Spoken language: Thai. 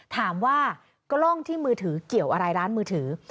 กล้องที่มือถือเกี่ยวอะไรร้านมือถือ